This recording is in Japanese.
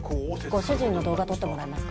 ご主人の動画撮ってもらえますか？